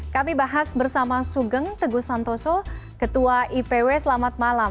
kami bahas bersama sugeng teguh santoso ketua ipw selamat malam